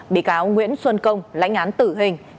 bị cáo nguyễn xuân công lãnh án tử hình